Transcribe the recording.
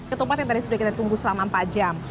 ketupat yang tadi sudah kita tunggu selama empat jam